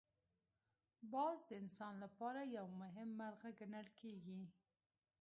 باز د انسان لپاره یو مهم مرغه ګڼل کېږي